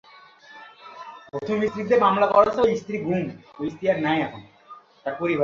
ফলে সেদিন মাবিয়াকে অভ্যর্থনা জানাতে যাওয়ার মতো সময় কারও হাতে ছিল না।